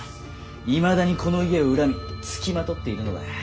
いまだにこの家を恨みつきまとっているのだ。